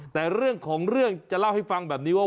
แต่เรื่องของเรื่องจะเล่าให้ฟังแบบนี้ว่า